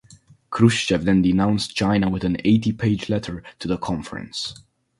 Khrushchev then denounced China with an eighty-page letter to the conference.